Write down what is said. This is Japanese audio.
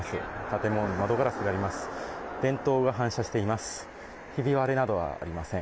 建物の窓ガラスがあります。